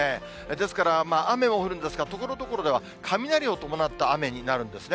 ですから、雨も降るんですが、ところどころでは雷を伴った雨になるんですね。